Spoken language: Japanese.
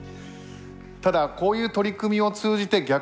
ただこういう取り組みを通じて逆にどうでしょう。